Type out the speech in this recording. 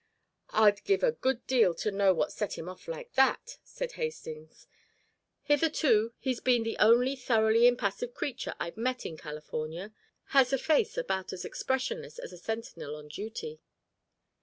"I'd give a good deal to know what set him off like that," said Hastings. "Hitherto he's been the one thoroughly impassive creature I've met in California; has a face about as expressionless as a sentinel on duty."